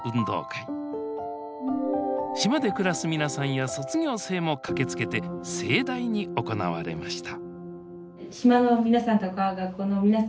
島で暮らす皆さんや卒業生も駆けつけて盛大に行われました